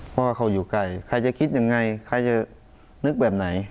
เพราะว่าเขาอยู่ไกลใครจะคิดยังไงใครจะนึกแบบไหน